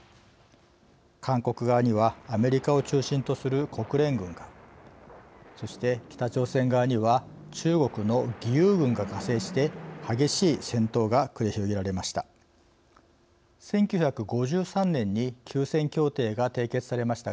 韓国側にはアメリカを中心とする国連軍がそして、北朝鮮側には中国の義勇軍が加勢して激しい戦闘が繰り広げられました。